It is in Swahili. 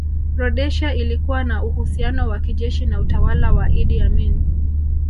Rhodesia ilikuwa na uhusiano wa kijeshi na utawala wa Idi Amin